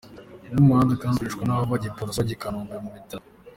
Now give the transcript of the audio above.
Uwo muhanda kandi ukoreshwa n’abava ku Giporoso bajya i Kanombe ku bitaro.